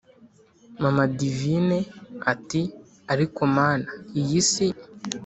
mama divine ati: ariko mana iyi si!